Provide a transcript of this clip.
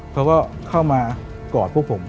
เขาก็เข้ามากอดพวกผม